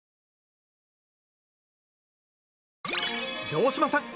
城島さん